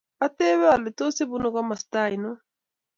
Atepe ale tos ipunu komastano